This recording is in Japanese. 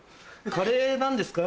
「カレーなんですか？」